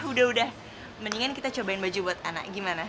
udah udah mendingan kita cobain baju buat anak gimana